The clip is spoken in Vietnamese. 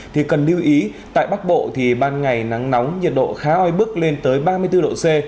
thì cần lưu ý tại bắc bộ thì ban ngày nắng nóng nhiệt độ khá oi bức lên tới ba mươi bốn độ c